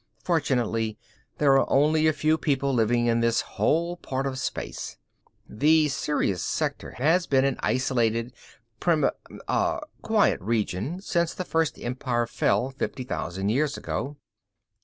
Fortunately, there are only a few people living in this whole part of space. The Sirius Sector has been an isolated, primi ah quiet region since the First Empire fell, fifty thousand years ago."